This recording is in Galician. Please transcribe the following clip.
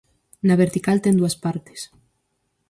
Na vertical ten dúas partes.